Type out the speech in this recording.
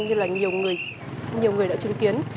như là nhiều người đã chứng kiến